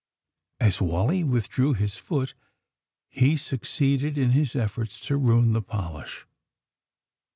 As Wally withdrew his foot he succeeded in his efforts to ruia the polish.